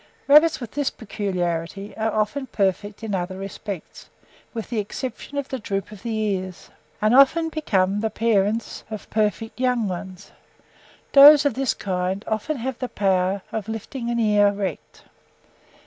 Rabbits with this peculiarity are often perfect in other respects, with the exception of the droop of the ears, and often become the parents of perfect young ones: does of this kind often have the power of lifting an ear erect.